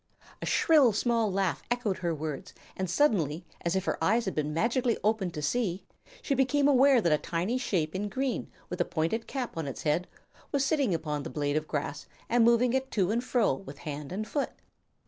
A shrill, small laugh echoed her words, and suddenly, as if her eyes had been magically opened to see, she became aware that a tiny shape in green, with a pointed cap on its head, was sitting upon the blade of grass and moving it to and fro with hand and foot.